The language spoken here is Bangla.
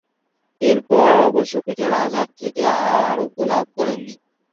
এরপর অবশ্য পিঠের আঘাত থেকে আর আরোগ্য লাভ করেননি।